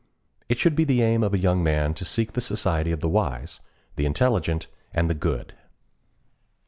It should be the aim of the young man to seek the society of the wise, the intelligent, and the good.